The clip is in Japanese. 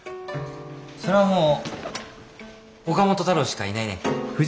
それはもう岡本太郎しかいないね。